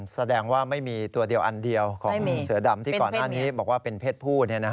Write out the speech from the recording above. แสดงว่าไม่มีตัวเดียวอันเดียวของเสือดำที่ก่อนหน้านี้บอกว่าเป็นเพศผู้